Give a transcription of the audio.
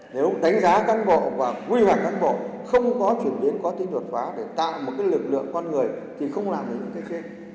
nếu đánh giá cán bộ và quy hoạch cán bộ không có chuyển biến có tính đột phá để tạo một lực lượng con người thì không làm được những cái trên